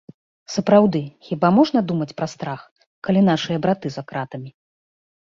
Сапраўды, хіба можна думаць пра страх, калі нашыя браты за кратамі.